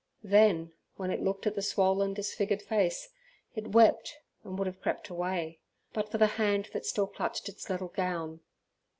Then, when it looked at the swollen disfigured face, it wept and would have crept away, but for the hand that still clutched its little gown.